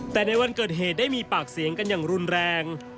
แต่ในวันเกิดเหตุได้มีปากเสียงกันอย่างรุนแรง